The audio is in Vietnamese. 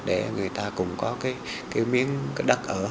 để người ta cũng có cái miếng đất ở